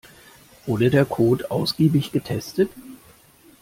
Wurde der Code ausgiebig getestet?